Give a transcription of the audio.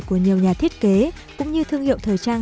của nhiều nhà thiết kế cũng như thương hiệu thời trang